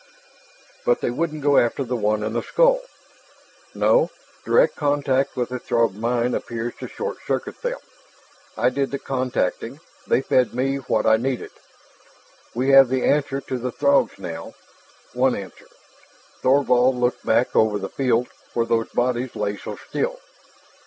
"But they wouldn't go after the one in the skull." "No. Direct contact with a Throg mind appears to short circuit them. I did the contacting; they fed me what I needed. We have the answer to the Throgs now one answer." Thorvald looked back over the field where those bodies lay so still.